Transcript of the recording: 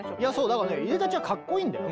だからねいでたちはかっこいいんだよ。